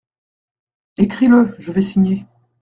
Écris-le, je vais signer.